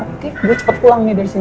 oke gue cepet pulang nih dari sini